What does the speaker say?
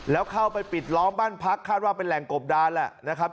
แล้วเข้าไปปิดล้อมบ้านพักคาดว่าเป็นแหล่งกบดานแหละนะครับ